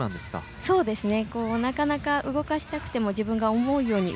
なかなか動かしたくても自分が思うように